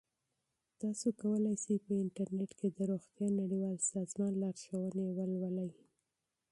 تاسو کولی شئ په انټرنیټ کې د روغتیا نړیوال سازمان لارښوونې ولولئ.